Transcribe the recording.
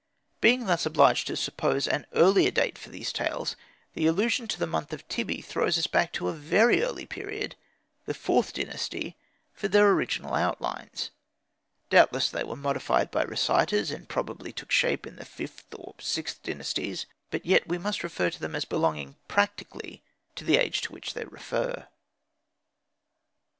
Being thus obliged to suppose an earlier date for these tales, the allusion to the month Tybi throws us back to a very early period the IVth Dynasty for their original outlines. Doubtless they were modified by reciters, and probably took shape in the Vth or VIth Dynasties; but yet we must regard them as belonging practically to the age to which they refer.